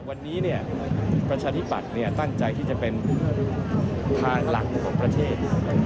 วันนี้ประชาธิปัตย์ตั้งใจที่จะเป็นทางหลักของประเทศ